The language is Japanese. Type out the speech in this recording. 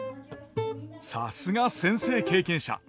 さすが先生経験者。